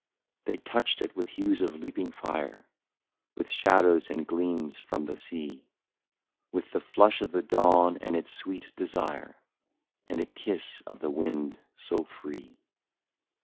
" They touched it with hues of leaping fire, With shadows and gleams from the sea, With the flush of the dawn and its sweet desire, And a breath of the wind so free.